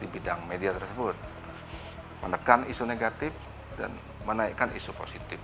di bidang media tersebut menekan isu negatif dan menaikkan isu positif